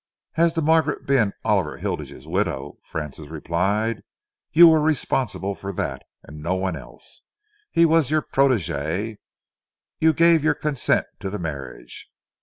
"As to Margaret being Oliver Hilditch's widow," Francis replied, "you were responsible for that, and no one else. He was your protegé; you gave your consent to the marriage.